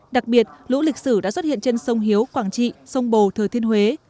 đặc biệt lũ lịch sử đã xuất hiện trên sông hiếu quảng trị sông bồ thừa thiên huế